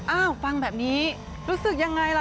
อ้าวฟังแบบนี้รู้สึกยังไงล่ะ